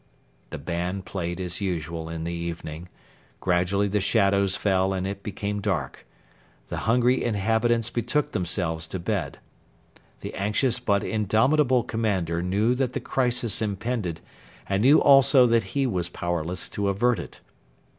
The band played as usual in the evening. Gradually the shadows fell and it became dark. The hungry inhabitants betook themselves to bed. The anxious but indomitable commander knew that the crisis impended, and knew also that he was powerless to avert it.